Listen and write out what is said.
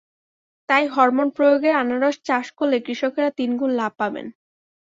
তাই হরমোন প্রয়োগে আনারস চাষ করলে কৃষকেরা তিন গুণ লাভ পাবেন।